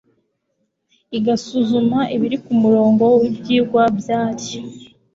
igasuzuma ibiri ku murongo w ibyigwa byari